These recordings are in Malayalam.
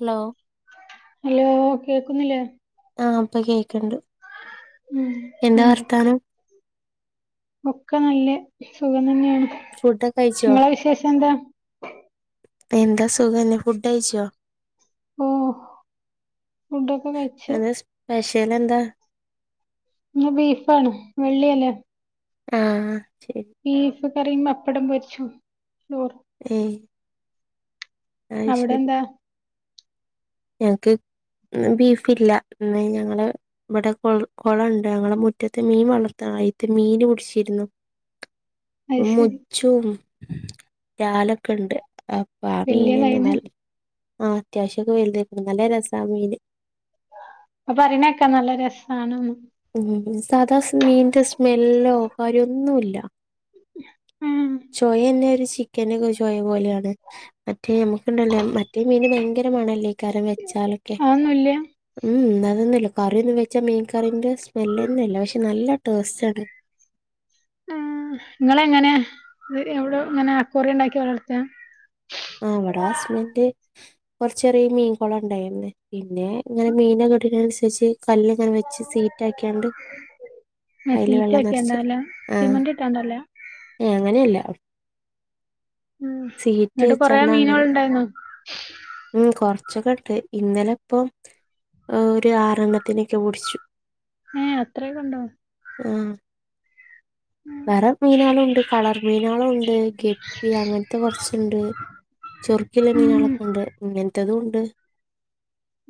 ഹലോ ഹലോ കേക്കുന്നില്ലേ ആഹ അപ്പൊ കേൾക്കണ്ട് ഉം ഉണ്ട് ഒക്കെ നല്ല സുഖം തന്നെയാണ് ഫുഡൊക്കെ കഴിച്ചോ നിങ്ങളെ വിശേഷം എന്താ എന്താ സുഖല്ലേ ഫുഡ് കയ്യ്ച്ചോ ഓ ഫുഡൊക്കെ കഴച്ച് പഷെൽ എന്താ ഇന്ന് ബീഫാണ് വെള്ളിയല്ലേ ആഹ് ശരി ബീഫ് കറിയും പപ്പടം പൊരിച്ചു ചോർ ഉം അവിടെ എന്താ ഞങ്ങക്ക് ന്ന് ബീഫ് ഇല്ല ന്ന് ഞങ്ങള് ഇവിടെ കുളുണ്ട് ഞങ്ങളുടെ മുറ്റത്ത് മീൻ വളർത്തയിത്ത് മീന് പിടിച്ചിരുന്നു അത് ശരി മുച്ചും ജാലൊക്കെ ഉണ്ട് അപ്പൊ ആ വെള്ളിയ മീനെ ന കഴിഞ്ഞ് ആഹ് അത്യാവശ്യക്കെ വെല്യതാർന്നു നല്ല രസാ മീൻ അപ്പ പറണൊക്കെ നല്ല രസണ ഉ സാദാ മീന്റെ സ്മെല്ലോ കാര്യോ ഒന്നു ഇല്ല ഉം ചോയ തന്നെ ഒരു ചോവ പോലെയാണ് മറ്റേ നമുക്കുണ്ടല്ലേ മറ്റേ മീൻ ഭയങ്കരമണല്ലേ കറിവെച്ചാലൊക്കെ അതൊന്നുംല്ല ഉം അതൊന്നുമല്ല കറിയൊന്നും വെച്ചാ മീൻ കറീന്റെ സ്മെലൊന്നും ഇല്ല പക്ഷെ നല്ല ടേസ്റ്റ് ആണ് ആ നിങ്ങ എങ്ങനെ എവിടെ ഇങ്ങനെ അക്കോറി ഉണ്ടാക്കി വളർത്തണോ ആ അവിടെ ഹസ്ബൻഡ് ഒരു ചെറിയ മീൻകൊളം ഉണ്ടായിന്ന് പിന്നെ ഇങ്ങനെ മീന കെട്ടനുസരിച്ച് കല്ല് അങ്ങെ വെച്ച് സീറ്റ് ആക്കിയാണ്ട് അതിൽ സീറ്റ് വെള്ളം ഒക്കെ നിറച്ച് ഉണ്ടാവില്ല ആ സിമന്റ് ഇട്ടാണ്ടല്ല ഏ അങ്ങനെയല്ല ഉ സീറ്റ് എന്നങ്ങിട്ട് കൊറ വെച്ചാണ്ട മീനുകൾ അങ്ങനെ ഉണ്ടായിന്ന ഉം കൊറചൊക്കെ ഇണ്ട് ഇന്നലെ ഇപ്പം ഒരു ആറെണ്ണത്തിനൊക്കെ പിടിച്ചു ഏ അത്രയൊക്കെ ഉണ്ടോ ആഹ് വേറെ മീനാളും ഉണ്ട് കളർ മീനാളും ഉണ്ട് ഗപ്പി അങ്ങനത്തെ കുറച്ചുണ്ട് ചെറുക്കുള്ള മീന ഉം അളൊക്കെ ഉണ്ട് ഇങ്ങനെത്തതും ഉണ്ട്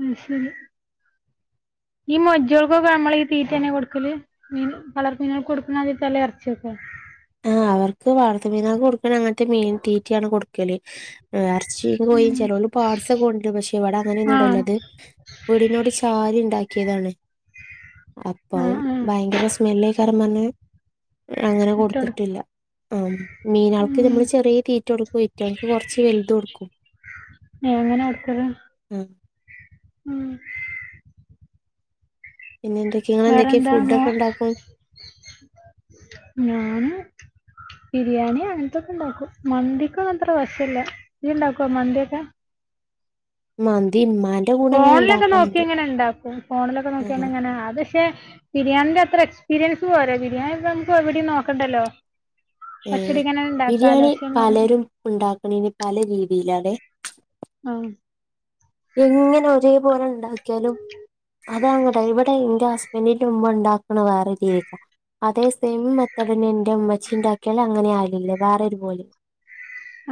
അ ശരി ഈ മൊജ്ജോൾക്കൊക്കെ നമ്മള ഈ തീറ്റ തന്നെ കൊടുക്കല് മീൻ പളർ മീനുകൾ കൊടുക്കുന്നദ്യ തല ഇറച്ചിയോക്കെ ആ അവർക്ക് വളർത്ത മീനൊക്കെ കൊടുക്കണ അങ്ങനത്തെ മീൻ തീറ്റയാണ് കൊടുക്കല് റച്ചിങ് പോയി ചിലലോല പാഡ്സൊക്കെ ഉണ്ട് പക്ഷെ ഇവിടെ അങ്ങനെയ ഒന്നുണ്ടല്ല ആഹ് അത് വീടിനോട് ചാരി ഉണ്ടാക്കിയതാണ് അപ്പം ആഹ് ആഹ് ഭയങ്കര സ്മെല്ലേ കറന്നെ അങ്ങനെ ഇട്ടോട് കൊടുത്തിട്ടില്ല ആഹ്‌ മീനാൾക്ക് ഉം നമ്മള് ചെറിയ തീറ്റ കൊടുക്കും പറ്റും എനിക്ക് കുറച്ച് വലുത കൊടുക്കും ഏഹ് എങ്ങനെയ അടുത്തത് ഉം ഉം പിന്നെ എന്തൊക്കെയ ഇങ്ങ എന്തൊക്കെയാ വേറെന്താ ഫുഡ മോ ഒക്കെ ഇണ്ടാക്കും ഞാന് ബിരിയാണി അങ്ങനത്തൊക്കെ ഇണ്ടാക്കും മന്തിക്കൊ അത്ര വശല്ലേ ഇ ഇണ്ടാക്കുവ മന്തിക്കെ മന്തി മ ഫോണിലൊക്കെ നോക്കി എങ്ങനെ ഉണ്ടാക്കും ഫോണിലൊക്കെ ആ നോക്കി എങ്ങനെ അ പക്ഷെ ബിരിയാണിന്റെ അത്ര എക്സ്പീരിയൻസ് പോര ബിരിയാണി നമുക്ക് എവിടെ നോക്കണ്ടല്ലോ ഏ പച്ചടിക്കന ഉണ്ടാക്കാലോ പക്ഷെ ഉണ്ടാക്കണന് പല രീതിയില അതെ ആഹ് എങ്ങനെ ഒരേ പോലെ ഉണ്ടാക്കിയാലും അതെ അങ്ങട്ടെ ഇവിടെ എന്റെ ഹസ്ബൻറിന്റെ മുമ്പ് ഉണ്ടാക്കണ വേറെ രീതിക്ക അതേ സെയിം മത്തേടന്നെ എൻറെ ഉമ്മച്ചീറെ അാക്കളൾ അങ്ങനെ ആയിില്ലേ വേറെ ഒരുപലും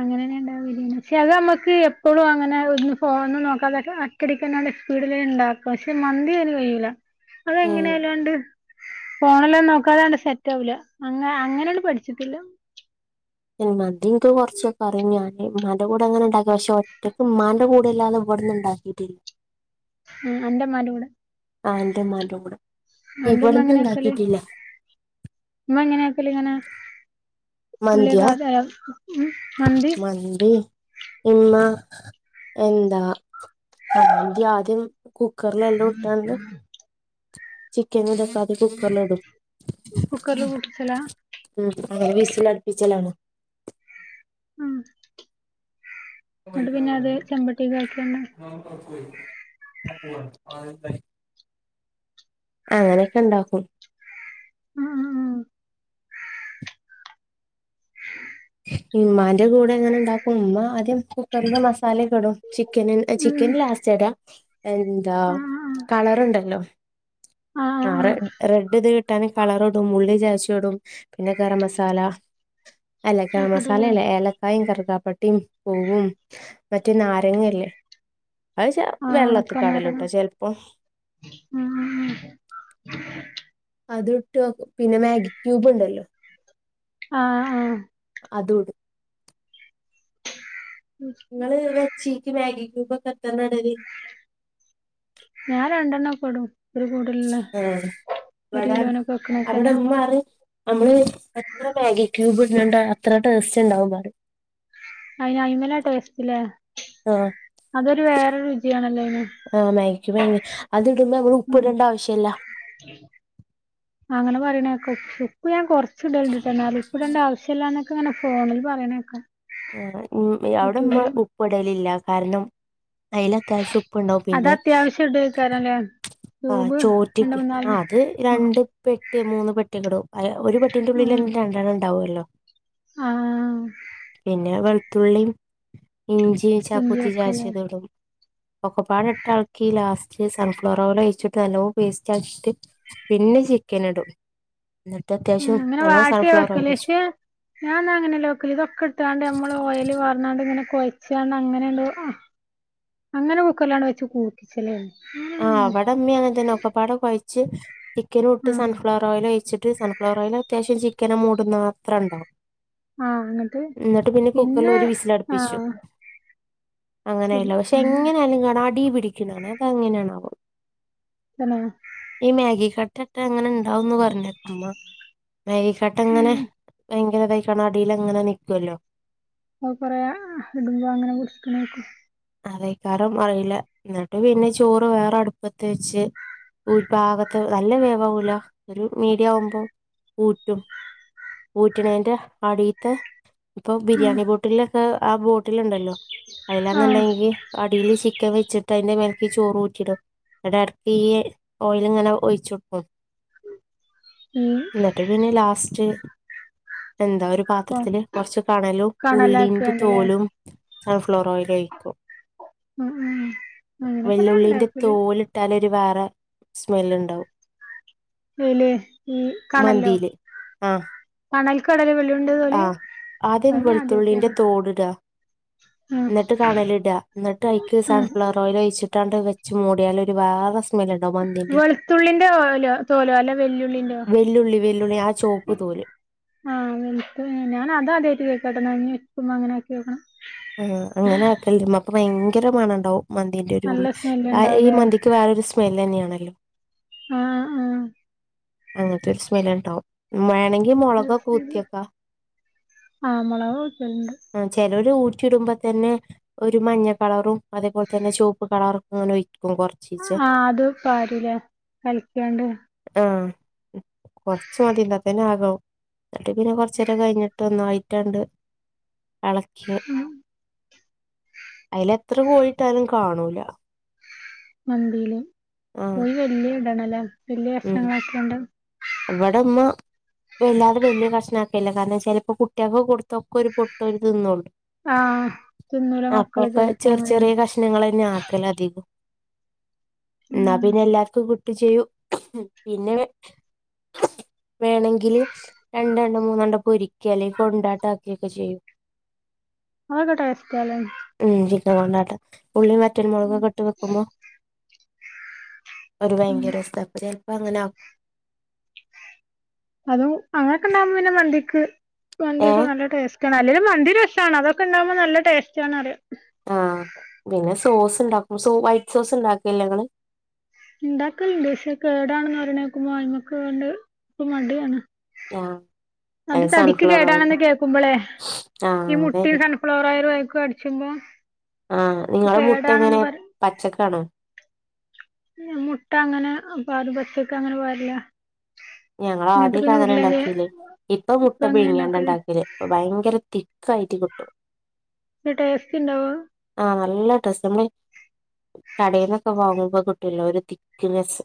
അങ്ങനെന്നെ ഉണ്ടാവില്ല പക്ഷെ അത് നമ്മുക്ക് എപ്പോഴും അങ്ങനെ ഒന്ന് ഫോന്ന് നോക്കാതൊക്കെ കടിക്കടെ സ്പീഡില് ഇണ്ടാക്കും പക്ഷെ മന്തി അന് കഴയില അത എങ്ങനെയാലോണ്ട് ഫോണല്ലും നോക്കാതണ്ട് സെറ്റാവില്ല അ അങ്ങനെയണ്ട് പഠിച്ചിട്ടില്ല മതി കൊറച്ചൊക്കെ അ പറ ഞാന് മല കൂടെ അങ്ങനെ ഉണ്ടാക്ക പക്ഷെ ഒറ്റയ്ക്ക് ഉമ്മാന്റെ കൂടെല്ലാതെ ഇവിടന്ന് ഉണ്ടാക്കിട്ടില്ല ഉം അന്റെ ഇമ്മാന്റെ കൂടെ ആന്റെമാന്റെ കൂടെ അന്റെ ഉമ്മ ഇവിടന്ന ഉണ്ടാക്കിട്ടില്ലേ ഇമ്മ എങ്ങനെയക്കല ഇങ്ങനെ മന്തിയാ ഉള്ളേക്ക മന്തി എന്താ ഇമ്മ എന്താ ആതും കുക്കറില എല്ലാം ഇട്ടാണ്ട് ചിക്കൻ ഇതക്കാതെ കുക്കറില ഇടും കുക്കറില വിട്ടിച്ചല്ല ഉം അ വിസൽ അടുപ്പിച്ചലാണ് ഉം എന്നങ്ങിട്ട് പിന്നെ അത് ചെമ്പട്ടി കക്കിയ [unintelligible] [unintelligible] അങ്ങനെയൊക്കെ ഉണ്ടാക്കും ഉം ഉം ഉമ്മാന്റെ കൂടെ എങ്ങനെ ഇണ്ടാക്കും ഉമ്മ ആദ്യം കുക്കറില് മസാലകെടും ചിക്കൻ ഉം ചിക്കൻ ഉം ലാസ്റ്റ് എടാ എന്താ ആഹ് കളറുണ്ടല്ലോ ആഹ് ആഹ് ആഹ് ആറെ ആഹ് റെഡ് ഇത് കിട്ടാന കളറോടും ഉള്ളി ചാച്ചോടും പിന്നെ ഗരം മസാല അല്ല ഗ നോക്കട്ടല്ലേ മസാലല്ല ഏല കായും കറക്കാപ്പട്ടിയും പൂവും മറ്റേ നാരങ്ങല്ലേ അ ആക്കന്ന ഉം അത് ഇട്ട് പിന്നെ മാഗി ക്യൂബ് ഉണ്ടല്ലോ ആഹ് ആഹ് അതോട് നിങ്ങള് ചീക്ക് മാഗി ട്യൂബ് എത്രണ്ണാ ഇടല്ലേ ഞാൻ രണ്ടെണ്ണ പെടും ഒരു കൂടുല ആ ഒരു ഇവടെ കിലോനൊക്കെ വെക്ക നോക്കനെ [unintelligible] നമ്മള് എത്ര മാഗിക്യൂബ് ഇട്ണ് ണ്ട് അത്ര ടേസ്റ്റ് ഉണ്ടാവും പറിം അയിന് അയിമല ടെസ്റ്റ്ലെ ആഹാ അതൊരു വേറെ രുചിയാണല്ലോ അയിന്? ആഹ് മയക്ക്മയങ്ങി അത് ഇടുമ്പോ നമ്മള് ഉപ്പ് ഇടണ്ട ആവശ്യല്ല. അങ്ങനെ പറയണേക് പ്പ് ഞാൻ കുറച്ച ഇട്ണ്ട് ഞാൻ പ്പ് ഇടേണ്ട ആവശ്യം. ചെല്ലാനൊക്കങ്ങനെ ഫോണിൽ പറയണേക്ക ആഹ ഉം അവിട ഉമ്മ ഉപ്പിടലില്ല കാരണം അയിലത്യാവ്ശ്യം ഉപ്പ് ഉണ്ടാവും അത് പിന്നെ അത്യാവശ്യം ഇടേക്കാരല്ലേ ആ ട്യൂബ് രണ്ട് ചോറ്റിക് മൂന്നാല് അത് ഉം രണ്ട് പെട്ടി മൂന്ന് പെട്ടിക്ക്ടും അ ഒരു പെട്ടിന്റെ ഉള്ളിൽ രണ്ടണ്ണം ഉണ്ടാവു അല്ലോ? ആഹാ പിന്നെ വെളുത്തുള്ളിം ഇഞ്ചിം ചാ ഇഞ്ചി വെക്കല്ലേ കുത്തിചാച്ചത്ടും. ഒക്കപാടെ ഇട്ടളക്കി ലാസ്റ്റ് സൺഫ്ലവർ ഓയിൽ ഒഴിച്ചിട്ട് ന്നല്ലോപേസ്റ്റ് ആക്കീട്ട് പിന്നെ ചിക്കന് ഇടും എന്നിട്ട് ഉം അത്യാവശ്യം അങ്ങനെ നല്ലോണം വാട്ടിയ സൺഫ്ലവർ വെക്കല് ഓയിച പക്ഷെ ഞാൻന്നാ അങ്ങനെല്ല വെക്കല് ഇതൊക്കെ ട് ത്ത്ങ്ങാണ്ട് നമ്മള് ഓയല് പാർന്നാണ്ട് ഇങ്ങനെ കൊയച്ചാണ്ട് അങ്ങനെണ്ട് അ അങ്ങനെ കുക്കറിലാണ് വെച്ച് കൂ [unintelligible] ആ അവിട ഉമ്മിയങ്ങനതന്നാ ഒക്കപ്പാടെ കൊയച്ച് ചിക്കനൂട്ട് ആഹ് സൺഫ്ലവർ ഓയിലോയിച്ചിട്ട് സൺഫ്ലവർ ഓയില് അത്യാവശ്യം ചിക്കനെ മൂടുന്നത്ര ഉണ്ടാവും. ആഹ് എന്നിട്ട് ന്നട്ട്പിന്നെ കുക്കറിൽ പിന്നെ ഒരു വിസിലടുപ്പിച്ചും. ആഹ് ശരി അങ്ങനെയല്ലോ പക്ഷെ ഉം എങ്ങനെ ആയാലും കാണാ അടി പിടിക്കുന്ന കാണ അതങ്ങനെയാണാവോ? തന്നെ ഈ മാഗി കട്ട ഇട്ട എങ്ങന ഇണ്ടാവുന്ന് പറഞ്ഞാരുന്നോ ഉമ്മ മാഗി കട്ട ഇങ്ങനെ ഉം വയങ്ങരതയികണ്ട് അടീലങ്ങനെ നിക്കുവല്ലോ അ കൊറെ ഇടുമ്പോ അങ്ങനെ നിക്ക്ണെക്കും. ആതെക്കാരം അറിയില്ല. ന്നിട്ട് പിന്നെ ചോറ് വേറെ അടുപ്പത്ത് വെച്ച്. ഒരു പാകത്ത നല്ല വേവാവൂല ഒരു മീഡിയ ആവുമ്പോം ഊറ്റും ഊറ്റണേന്റെ അടീത്ത ഇപ്പൊ ഉം ബിരിയാണി പോട്ടിൽ ലൊക്കെ ആ പോട്ടിലിലുണ്ടല്ലോ? ആഹ് ന്നുണ്ടെങ്കിൽ അടീല് ചിക്കൻ വെച്ചിട്ടയിന്റെ മേലക്ക് ഈ ചോറ് ഊറ്റീടും എടാ എടക്ക് ഈയ്യ് ഓയല് ഇങ്ങന ഒയിച്ചോടുക്കും ഉഹും ന്നട്ട് പിന്നെ ലാസ്റ്റ് എന്താ ഒര ഇപ്പൊ പാത്രത്തില് കൊറച്ച് കണലും ഉള്ളീന്റെ കണലാക്കിയാണ്ട്ല്ലേ തോലും സൺഫ്ലവർ ഓയിലും ഒയിക്കും. ഉം ഉം അങ്ങനെയൊക്കെന്നെ വല്ലിയഉള്ളിന്റെ ഇണ്ടാക്കല് തോല് ഇട്ടാലൊരു വേറെ സ്മെല്ല് ഉണ്ടാവും. എയില് ഈ കണല്ലോ? മന്തീല് ആ കണൽക്കാ ഇടൽ വെല്ലിഉള്ളിന്റെ തോല് ആ ആദ്യം അത് ഞാനാദ്യായിട്ട് വെളുത്തുള്ളിന്റെ കാണാ ഇട്ട് കണലിട ന്നട്ടയ്ക്ക് ഉം സൺഫ്ലവർ ഓയിൽ ഒഴിച്ചിട്ടാണ്ട് വെച്ച് മൂടിയാല് ഒരു വാറ സ്മെല്ല് ഇണ്ടാവും. മന്തിന്റെ ഒക വെളുത്തുള്ളിന്റെ ഓലോ തോലോ അല്ല വെല്ലുള്ളിന്റോ വെല്ലുള്ളി വെല്ലുള്ളി ആ ചുവ [unintelligible] ആഹ് [unintelligible] ഞാനതാദിയായിട്ട് കേക്കാട്ടോ എന്നാ ന്നാ അങ്ങനെയാക്കി നോക്കണം ആ അങ്ങനെ ആക്കലുണ്ട് ഭയങ്കര മണ ഇണ്ടാവും മന്തിന്റൊരു നല്ല സ്മെല്ല് ഈ ഉണ്ടാവുലേ മന്തിക്ക് വേറൊരു സ്മെല്ല് തന്നെയാണല്ലോ? ആഹ ആഹാ അങ്ങനത്തൊരു സ്മെല്ല് ഇണ്ടാവും. മേണെങ്കി മുളകൊക്ക് കുത്തിക്ക ആഹ് മൊളക് പൊടിച്ചതുണ്ട് അ ചെലോര് ഊറ്റി ഇടുമ്പ തന്നെ ഒരു മഞ്ഞ കളറും അതേപോലെ തന്നെ ചുവപ്പ് കളറോക്ക് ഇങ്ങനെ ഒയിക്കും കുറ ആഹ് അത് പാരൂലെ കലക്കിങ്ങാണ്ട്. ആഹ് കൊർച്ച് മതി ഇന്നാത്തന്നെ ആകവും. ന്നട്ട് പിന്നെ കൊർച്ചേരം കഴിഞ്ഞിട്ട് ഒന്നായിട്ടണ്ട് എളക്ക്യാ. അയ്ലെത്ര കോയിട്ടാലും കാണൂല മന്തില്. ആഹ് കോയി വല്യത്ടണല്ലേ. വല്യ കഷ്ണങ്ങളാക്കിയാണ്ട് വട മ്മ വല്ലാതെ വല്യ കഷ്ണാക്കല്ല. കാരണം ചെലപ്പോ കുട്ട്യാക്കൊകൊടുത്തൊ ക്കൊരു പൊട്ടോല് തിന്നള്ളൂ ആഹ് തിന്നൂല മക്കള് ചെലേപ്പൊ അങ്ങനേണ് ണങ്ങളെന്നെ ആക്കലധികും. ന്നാ ഉം പിന്നെ എല്ലാർക്കും കിട്ടുംചെയ്യും ഉം പിന്നെ വേണെങ്കില് രണ്ടണ്ട മൂന്നെണ്ട പൊരിക്കെ അല്ലെങ്കി കൊണ്ടാട്ടാക്കുകൊക്കെ ചെയ്യും ങ്ങളോടെടെ സ്ഥലം ഉം ചിക്കൻകൊണ്ടാട്ടം. ഉൾളീം വറ്റൽ മുളക്കൊക്കെട്ട് വെക്കുമ്പോ ഒരു ഉം ഭയങ്കരസ. അപ്പ ചെൽപ്പ അങ്ങനാക്കും അതും അങ്ങനൊക്കെണ്ടാകുമ്പോ പിന്നെ മന്തിക്ക് മന്ത്യൊക്കെ ഏഹ് നല്ല ടേസ് സ്റ്റണ്. അല്ലേലും മന്തി രസാണ്. അതൊക്കെണ്ടാവുമ്പോ നല്ല ടേസ്റ്റാണ്റിയാ ആഹ് പിന്നെ സോസ്ണ്ടാക്കും. So white സോസ്ണ്ടാക്കെല്ലെങ്ങള് ഇണ്ടാക്കൽണ്ട്. പക്ഷേ അത് കേടാണെന്ന് പറിണേക്കുമ്പോ അയ്മക്ക്വണ്ട് പ്പ മടിയാണ് ആഹ് അത് തടിക്ക് കേടാണെന്ന് കേക്കുമ്പളേ ആഹ് ഈ മുട്ടിം അതന്നെ സൺഫ്ലവറോയലും അയ്ക്ക് അട്ച്ചുമ്പോ ആഹ് നിങ്ങളെ മുട്ടെങ്ങനെ പച്ചക്കാണൊ ല്ല. മുട്ടങ്ങനെ പാരും. പച്ചൊക്കങ്ങനെ പാര്ലാ ഞങ്ങളാദ്യക്കങ്ങനെ കെ ണ്ടാക്കില്. ഇപ്പൊ ഇപ്പ മുട്ട എങ്ങനെ ഉണ്ടാക്കല് പിയ്ങ്യാണ്ടണ്ടാക്കല് അപ്പ ഭയങ്കര തിക്കായിട്ട് കിട്ടും ത് ടേസ്റ്റ് ണ്ടാവോ അഹ് ആഹ് നല്ല ടേസ്സ്. നമ്മളി കടേന്നൊക്കെ വാങ്ങുമ്പോ കിട്ടൂലോ ഒരു തിക്ക്നെസ്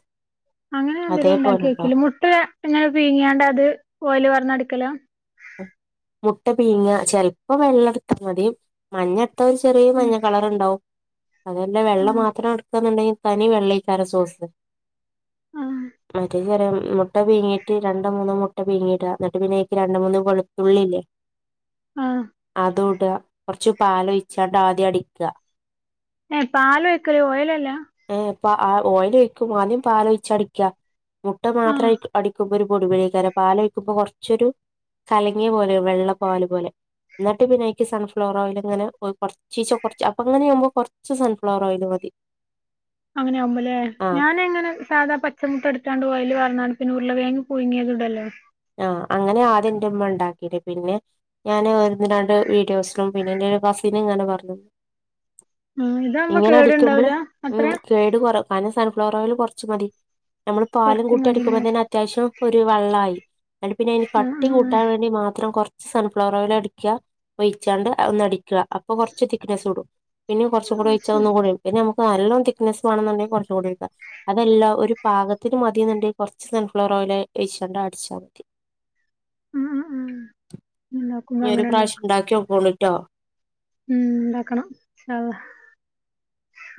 അങ്ങനെ ഞാൻ തരെ ണ്ടാക്കിയോക്കില്ല. മുട്ട ങ്ങനെ പീങ്ങിയാണ്ട് അത് ഓയല് പാർന്നടിക്കലാ മുട്ട പീങ്ങ, ചെൽപ്പ വെള്ളട്ത്താ മതി മഞ്ഞത്ത ഒരു ചെറ്യേ ഉം മഞ്ഞ കളറ്ണ്ടാവും അതല്ല, വെള്ള ആഹ് മാത്രംട്ക്കന്നുണ്ടെങ്കി തനി വെള്ളേക്കാരം സോസ് ആഹ് മറ്റത് ചറ മുട്ട പീങ്ങി ട്ട് രണ്ടോ മൂന്നോ മുട്ട പീങ്ങിടാ. ന്നട്ട് പിന്നെ അയ്ക്ക് രണ്ട് മൂന്ന് വെളുത്തുള്ളില്ലേ ആഹ് അതൂട. കൊർച്ച് പാലൊഴിച്ചാണ്ട് ആദ്യടിക്ക ഏഹ് പാലൊഴിക്കല്. ഓയലല്ല ഏ പ്പ അ ഓയിലൊഴിക്കും. ആദ്യം പാലൊഴിച്ചടിക്കാ മുട്ട ആഹ് മാത്രം അടിക്കുമ്പോൾ ഒരു പൊടിപെയക്കാരം. പാലൊഴിക്കുമ്പ കൊർച്ചൊരു കലങ്ങിയ പോലെ ആവും. വെള്ളപ്പാല് പോലെ, ന്നട്ട് പിന്നെഅയ്ക്ക് സൺഫ്ലോർ ഓയിൽ ഇങ്ങനെഒ കൊർ ചീച്ച കുറച്ച് അപ്പൊങ്ങനെയാവുമ്പോ കൊർച്ച് സൺഫ്ലവർ ഓയില് മതി അങ്ങന്യാവുമ്പൊലേ.. ആഹ് ഞാനെങ്ങനെ സാധാ പച്ചമുട്ടട്താണ്ട് ഓയല് പാർന്നാണ്ട്പിന്നെ ഉര്ളക്കേങ്ങ് പുഴങ്ങിയത്ടല്ലോ ആഹ് അങ്ങനെ ആദ്യന്റെമ്മ ണ്ടാക്കിട് പിന്നെ ഞാാന് ഒന്ന് രണ്ട് വീഡിയോസിനും പിന്നെ ന്റൊരു കസിനുംങ്ങനെ പർഞ് ആഹ് ഇതാവുമ്പോ ഇങ്ങനെ അടിക്കുമ്പള് കേടുണ്ടാവൂല ഉം അത്ര കേട് കൊറ കാര്ണം സൺഫ്ലവർ ഓയിൽ കൊർച്ച്മതി, നമ്മള് കൊറച്ച് പാലുംകൂട്ടി അടിക്കുമ്പോ മതില്ലേ തന്നെ അത്യാവശ്യം ഒരു വള്ളായി ന്നട്ട് പിന്നെ അയ്ന് ആഹ് കട്ടി ആഹ് കൂട്ടാൻ വേണ്ടി മാത്രം കൊർച്ച് സൺഫ്ലവർ ഓയിലടിക്കുക ഒഴിച്ചാണ്ട് ഒന്ന് അടിക്കുക. അപ്പൊ കൊർച് തിക്നെസൂടും. പിന്യും കൊർച്ചും കൂടി ആഹ് അത് ഒഴിച്ച ശരി ഒന്നും കൂടി പിന്നെ നമുക്ക് നല്ലോം തിക്നസ് വാണെന്ന്ണ്ടെങ്കിൽ കൊറച്ചും കൂടി ഒയ്ക്ക അതല്ല, ഒരു പാകത്തിന് മതിന്ന്ണ്ടെ കൊർച്ച് സൺഫ്ലോർ ഓയൽ ഒയ്ച്ചാണ്ട് അട്ച്ചാമതി ഉം ഉം ഉം ഇണ്ടാക്കുമ്പോ ഇനി ഒരു അങ്ങനെ ഇണ്ടാക്കും പ്രാവശ്യണ്ടാക്ക്യോക്കോണ്ടിട്ടോ. ഉം ണ്ടാക്കണം ഇൻശാ അള്ളാ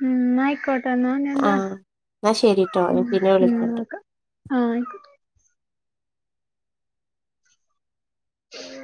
ഉം ന്നയിക്കോ ട്ടെ ന്നാ ഞെന്താ ആഹ് എന്നാ ശരിട്ടോ ഉം ഞാൻ പിന്നെ വിളിക്കണ്ട് നോക്ക ആഹ് അയ്ക്കോട്ടെ